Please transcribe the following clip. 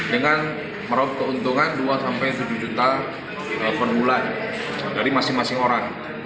dengan merupakan keuntungan dua hingga tujuh juta penulan dari masing masing orang